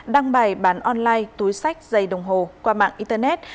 đăng bài bán online túi sách giày đồng hồ qua mạng internet